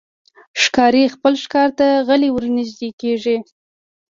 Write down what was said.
ښکاري خپل ښکار ته غلی ورنژدې کېږي.